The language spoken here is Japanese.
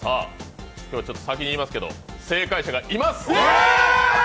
今日は先に言いますけど、正解者がいます。